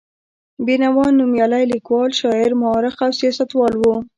بېنوا نومیالی لیکوال، شاعر، مورخ او سیاستوال و.